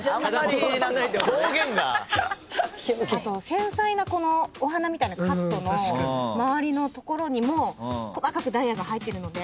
繊細なお花みたいなカットの周りのところにも細かくダイヤが入ってるので。